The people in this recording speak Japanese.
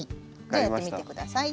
じゃあやってみて下さい。